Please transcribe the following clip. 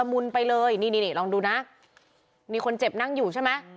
มีคนเจ็บนั่งอยู่ใช่ไหม